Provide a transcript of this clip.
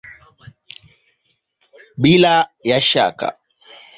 Bila ya shaka!